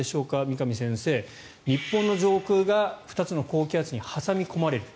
三上先生、日本の上空が２つの高気圧に挟み込まれる。